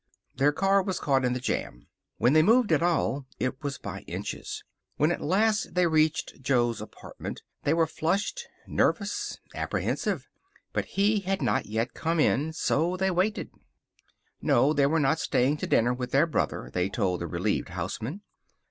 Their car was caught in the jam. When they moved at all, it was by inches. When at last they reached Jo's apartment they were flushed, nervous, apprehensive. But he had not yet come in. So they waited. No, they were not staying to dinner with their brother, they told the relieved houseman.